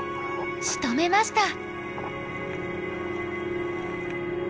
しとめました。